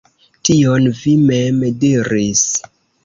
Tion vi mem diris.